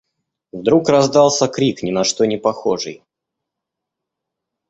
Вдруг раздался крик, ни на что не похожий.